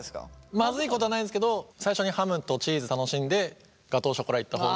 まずいことはないですけど最初にハムとチーズ楽しんでガトーショコラいった方が。